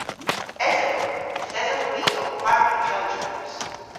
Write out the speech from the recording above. Esowgh. Yth esowgh hwi ow kwari pel droos.